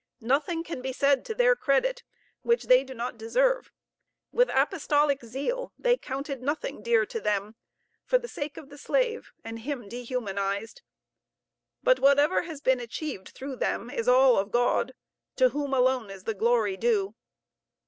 Nothing can be said to their credit which they do not deserve. With apostolic zeal, they counted nothing dear to them for the sake of the slave, and him dehumanized. But whatever has been achieved through them is all of God, to whom alone is the glory due.